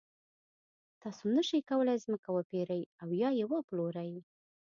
تاسو نشئ کولای ځمکه وپېرئ او یا یې وپلورئ.